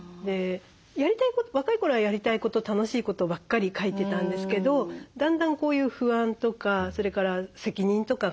若い頃はやりたいこと楽しいことばっかり書いてたんですけどだんだんこういう不安とかそれから責任とかが出てくる。